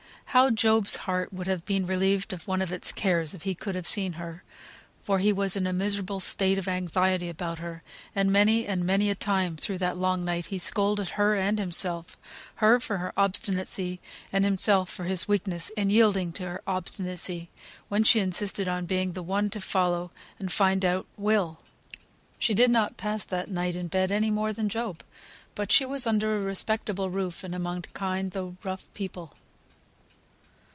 How Job's heart would have been relieved of one of its cares if he could have seen her: for he was in a miserable state of anxiety about her; and many and many a time through that long night he scolded her and himself; her for her obstinacy, and himself for his weakness in yielding to her obstinacy, when she insisted on being the one to follow and find out Will. She did not pass that night in bed any more than Job; but she was under a respectable roof, and among kind, though rough people.